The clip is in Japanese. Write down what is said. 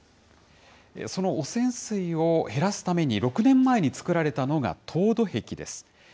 その汚染水を減らすために６年前に作られたのが、凍土壁です。